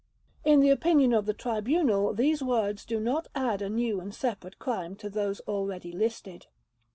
In the opinion of the Tribunal these words do not add a new and separate crime to those already listed.